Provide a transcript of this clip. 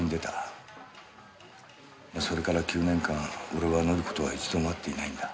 それから９年間俺は紀子とは一度も会っていないんだ。